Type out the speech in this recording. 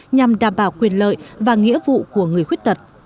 nhằm đảm bảo quyền lợi và nghĩa vụ của người khuyết tật